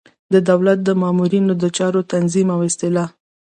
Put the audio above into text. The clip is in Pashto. د دولت د مامورینو د چارو تنظیم او اصلاح.